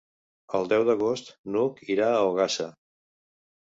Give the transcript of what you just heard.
El deu d'agost n'Hug irà a Ogassa.